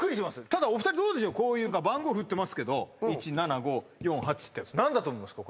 ただお二人どうでしょうこういう番号ふってますけど１７５４８ってやつ何だと思いますか？